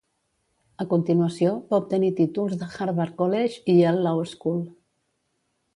A continuació, va obtenir títols de Harvard College i Yale Law School.